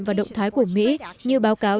và động thái của mỹ như báo cáo